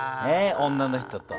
女の人と。